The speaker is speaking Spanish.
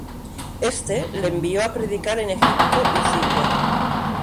Éste le envió a predicar en Egipto y Siria.